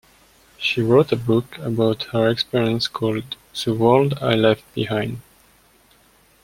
She wrote a book about her experience called "The World I Left Behind".